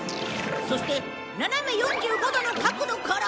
そして斜め４５度の角度から。